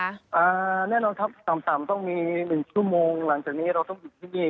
อ่าแน่นอนครับต่ำต่ำต้องมีหนึ่งชั่วโมงหลังจากนี้เราต้องอยู่ที่นี่